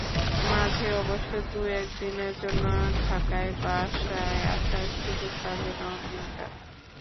মাঝে অবশ্য দু-এক দিনের জন্য ঢাকায় বাসায় আসার সুযোগ পাবেন অমৃতা।